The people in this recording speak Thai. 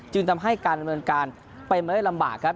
จึงทำให้การดำเนินการไปไม่ลำบากครับ